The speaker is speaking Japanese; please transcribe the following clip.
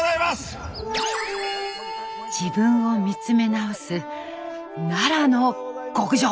自分を見つめ直す奈良の極上。